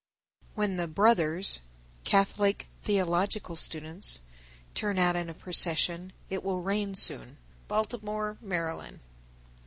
_ 1004. When the Brothers (Catholic theological students) turn out in a procession it will rain soon. Baltimore, Md. 1005.